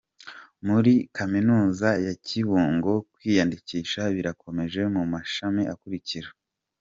Muri Kaminuza ya Kibungo, kwiyandikisha birakomeje mu mashami akurikira:.